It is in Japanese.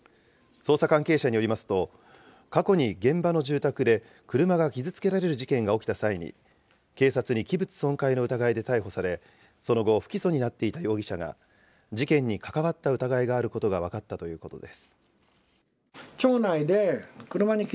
捜査関係者によりますと、過去に現場の住宅で、車が傷つけられる事件が起きた際に、警察に器物損壊の疑いで逮捕され、その後、不起訴になっていた容疑者が、事件に関わった疑いがあることが分かったということです。